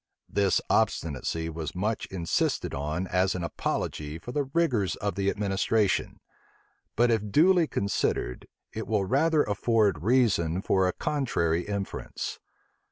This obstinacy was much insisted on as an apology for the rigors of the administration: but if duly considered, it will rather afford reason for a contrary inference.